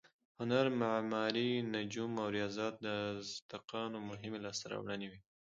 هنر، معماري، نجوم او ریاضیاتو د ازتکانو مهمې لاسته راوړنې وې.